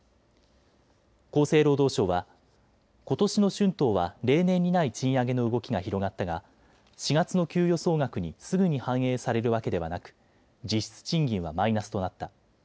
厚生労働省は、ことしの春闘は例年にない賃上げの動きが広がったが４月の給与総額にすぐに反映されるわけではなく実質賃金はマイナスとなった。